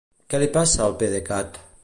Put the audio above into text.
Què li passa a PDECat?